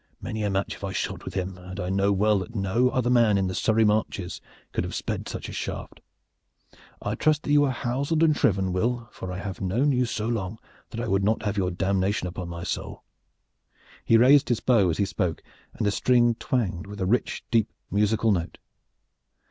"Many a match have I shot with him, and I know well that no other man on the Surrey marches could have sped such a shaft. I trust that you are houseled and shriven, Will, for I have known you so long that I would not have your damnation upon my soul." He raised his bow as he spoke, and the string twanged with a rich deep musical note.